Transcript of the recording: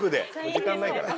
時間ないから。